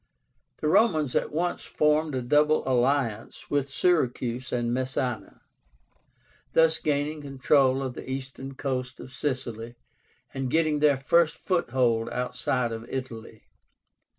The Romans at once formed a double alliance with Syracuse and Messána, thus gaining control of the eastern coast of Sicily and getting their first foothold outside of Italy.